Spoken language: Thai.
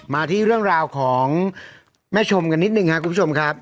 มาที่เรื่องราวของแม่ชมกันนิดนึงครับคุณผู้ชมครับ